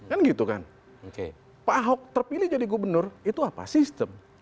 kan gitu kan pak ahok terpilih jadi gubernur itu apa sistem